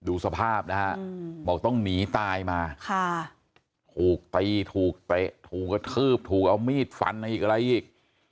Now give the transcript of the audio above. ดูสภาพบอกต้องหนีตายมาค่ะถูกฝูกกระทืบถูกเอามีดฝันอะไรอีก